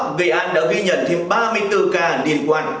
nghệ an đã ghi nhận thêm ba mươi bốn ca liên quan